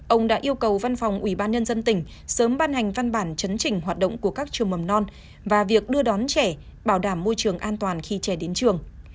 ông đã yêu cầu văn phòng ủy ban nhân dân tỉnh sớm ban hành văn bản chấn chỉnh hoạt động của các trường mầm non và việc đưa đón trẻ bảo đảm môi trường an toàn khi trẻ đến trường